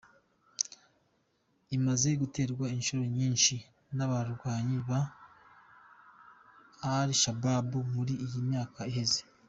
Imaze guterwa incuro nyinshi n’abagwanyi ba Al Shabab muri iyi myaka iheze.